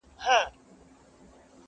• ماسومان ترې تېرېږي وېرېدلي ډېر,